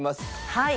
はい。